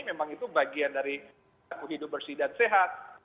memang itu bagian dari hidup bersih dan sehat